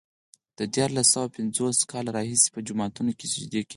د دیارلس سوه پنځوس کاله راهيسې په جوماتونو کې سجدې کېږي.